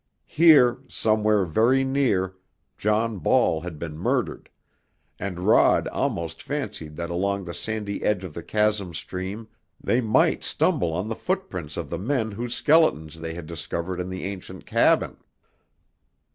Here, somewhere very near, John Ball had been murdered, and Rod almost fancied that along the sandy edge of the chasm stream they might stumble on the footprints of the men whose skeletons they had discovered in the ancient cabin.